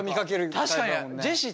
確かにね。